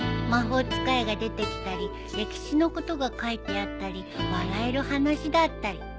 魔法使いが出てきたり歴史のことが書いてあったり笑える話だったり。